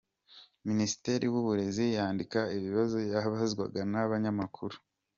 Ministre w’Uburezi yandika ibibazo yabazwaga n’abanyamakuru.